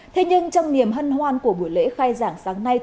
thế nhưng trong niềm hân hoan của buổi lễ khai giảng sáng nay